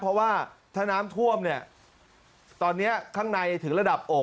เพราะว่าถ้าน้ำท่วมเนี่ยตอนนี้ข้างในถึงระดับอก